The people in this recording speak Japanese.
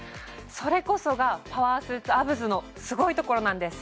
それこそがパワースーツアブズのすごいところなんです